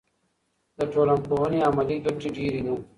د ټولنپوهنې عملي ګټې ډېرې دي.